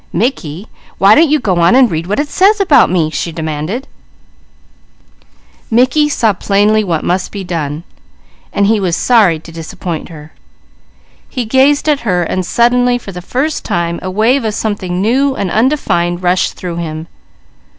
"Mickey, why don't you go on and read what it says about me?" she demanded. Mickey saw plainly what must be done. He gazed at her and suddenly, for the first time, a wave of something new and undefined rushed through him.